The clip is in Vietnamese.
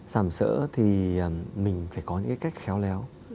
xàm sỡ thì mình phải có những cái cách khéo léo